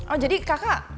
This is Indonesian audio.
oh jadi kakak